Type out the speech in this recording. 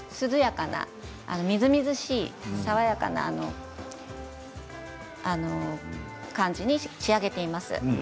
みずみずしい爽やかな感じに仕上げています。